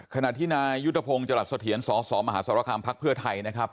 ขณะที่นายยุทธพงศ์จรัสเสถียรสสมหาสรคามพักเพื่อไทยนะครับ